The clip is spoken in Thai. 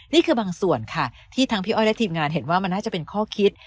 นี่คือบางส่วนค่ะที่ทั้งพี่อ้อยและทีมงานเห็นว่ามันน่าจะเป็นข้อคิด